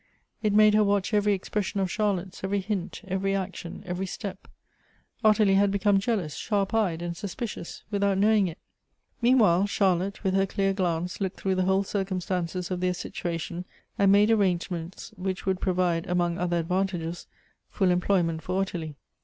It made her watch every expression of Charlotte's, every hint, every action, every step. Ottilie had become jealous, shaip eyed, and suspicious, without knowing it. Meanwhile, Charlotte with her clear glance looked through the whole circumstances of their situation, and made arrangements which would provide, among other advantages, full employment for Ottilie.